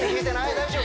大丈夫？